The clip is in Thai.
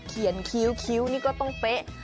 เขียนคิ้วคิ้วนี่ก็ต้องเป๊ะ